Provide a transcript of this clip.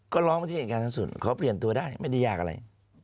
ก็ร้องไปที่เหตุการณ์ทั้งสุดขอเปลี่ยนตัวได้ไม่ได้ยากอะไร